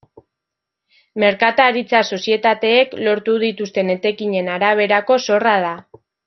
Merkataritza-sozietateek lortu dituzten etekinen araberako zorra da.